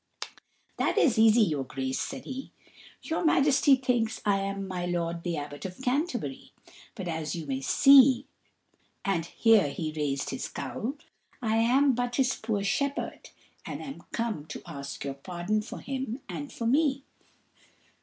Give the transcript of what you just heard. "That is easy, your Grace," said he. "Your Majesty thinks I am my lord the Abbot of Canterbury; but as you may see," and here he raised his cowl, "I am but his poor shepherd, that am come to ask your pardon for him and for me."